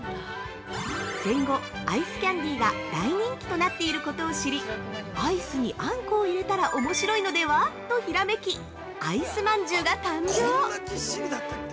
戦後、アイスキャンディーが大人気となっていることを知り、「アイスにあんこを入れたらおもしろいのでは？」とひらめき、あいすまんじゅうが誕生！